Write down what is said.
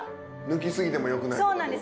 抜き過ぎてもよくない。